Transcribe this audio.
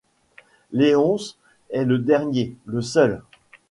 Léonce est le dernier, le seul.